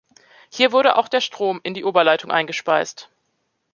Hier wurde auch der Strom in die Oberleitung eingespeist.